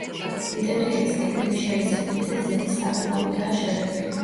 ინტერიერის კედლები შელესილია და ზეთის საღებავითაა შეღებილი.